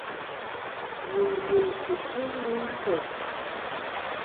Wù lu kɨ sɨ ɨlvɨ ɨ nkèf.